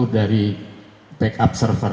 dari backup server